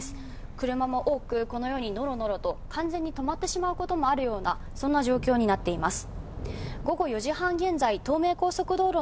車も多く、このようにノロノロと完全に止まってしまうこともあるような状況になっています。